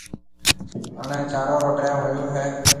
هڻيَ چارون رو ٽيم هوئي هيَ۔